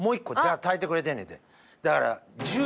だから。